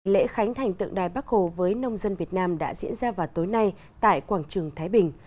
lễ khánh thành tượng đài bắc hồ với nông dân việt nam đã diễn ra vào tối nay tại quảng trường thái bình